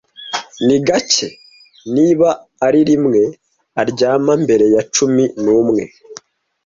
Ni gake, niba ari rimwe, aryama mbere ya cumi n'umwe.